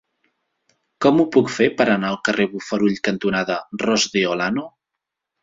Com ho puc fer per anar al carrer Bofarull cantonada Ros de Olano?